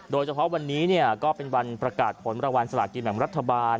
โดยเฉพาะวันนี้ก็เป็นวันประกาศผลรางวัลสลากินแบ่งรัฐบาล